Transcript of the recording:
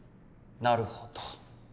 なるほど。